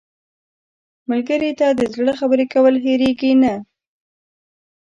ملګری ته د زړه خبرې کول هېرېږي نه